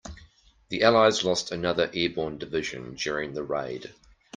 The allies lost another airborne division during the raid.